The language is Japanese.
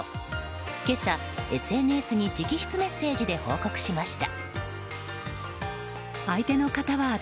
今朝、ＳＮＳに直筆メッセージで報告しました。